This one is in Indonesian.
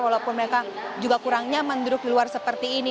walaupun mereka juga kurangnya menduduk di luar seperti ini